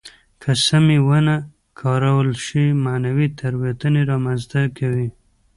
که سمې ونه کارول شي معنوي تېروتنې را منځته کوي.